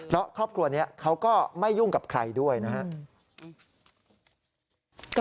เพราะครอบครัวนี้เขาก็ไม่ยุ่งกับใครด้วยนะครับ